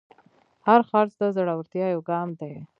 هر خرڅ د زړورتیا یو ګام دی.